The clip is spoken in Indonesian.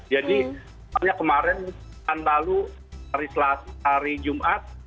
jadi misalnya kemarin tahun lalu hari jumat